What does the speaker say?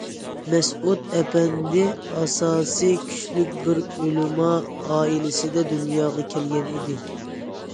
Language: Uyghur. مەسئۇد ئەپەندى ئاساسىي كۈچلۈك بىر ئۆلىما ئائىلىسىدە دۇنياغا كەلگەن ئىدى.